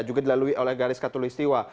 juga dilalui oleh garis katolistiwa